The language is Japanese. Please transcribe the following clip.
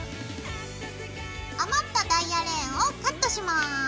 余ったダイヤレーンをカットします。